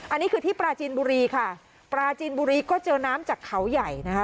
อันนี้คือที่ปราจีนบุรีค่ะปราจีนบุรีก็เจอน้ำจากเขาใหญ่นะคะ